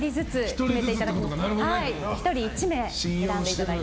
１人１名選んでいただいて。